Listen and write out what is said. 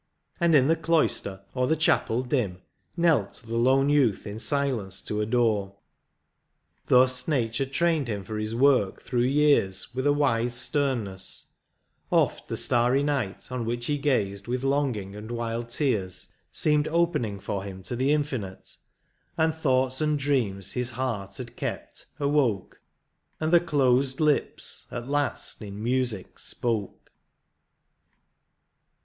And in the cloister or the chapel dim Knelt the lone youth in silence to adore. Thus Nature trained him for his work through years With a wise sternness, — oft the starry night, On which he gazed with longing and wild tears, Seemed opening for him to the infinite. And thoughts and dreams his heart had kept, awoke, And the closed lips at last in music spoke.